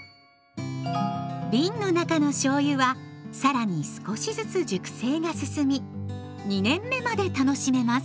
瓶の中のしょうゆは更に少しずつ熟成が進み２年目まで楽しめます。